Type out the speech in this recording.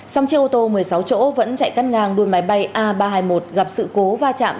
song chiếc ô tô một mươi sáu chỗ vẫn chạy cắt ngang đôi máy bay a ba trăm hai mươi một gặp sự cố va chạm